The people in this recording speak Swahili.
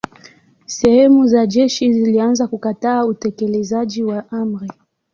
Sehemu za jeshi zilianza kukataa utekelezaji wa amri.